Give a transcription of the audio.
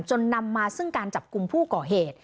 นำมาซึ่งการจับกลุ่มผู้ก่อเหตุ